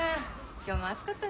今日も暑かったね。